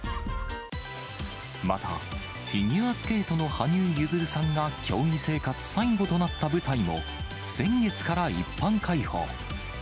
また、フィギュアスケートの羽生結弦さんが競技生活最後となった舞台も、先月から一般開放。